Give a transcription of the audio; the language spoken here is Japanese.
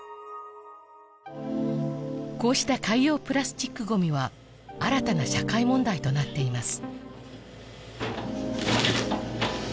こうした海洋プラスチックごみは新たな社会問題となっています